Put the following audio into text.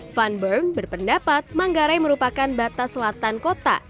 van berg berpendapat manggarai merupakan batas selatan kota